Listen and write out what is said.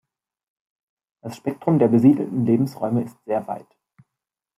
Das Spektrum der besiedelten Lebensräume ist sehr weit.